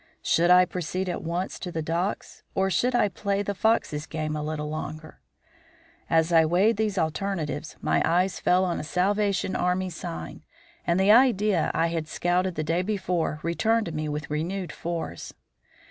Should I proceed at once to the docks or should I play the fox's game a little longer? As I weighed these alternatives my eyes fell on a Salvation Army sign, and the idea I had scouted the day before returned to me with renewed force.